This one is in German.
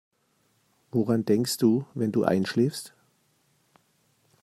Woran denkst du, wenn du einschläfst?